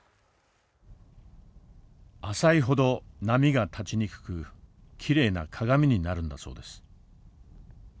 浅いほど波が立ちにくくきれいな鏡になるんだそうです。